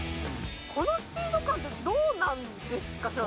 このスピード感ってどうなんですか？